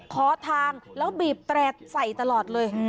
ขอทางแล้วบีบแตรกใส่ตลอดเลย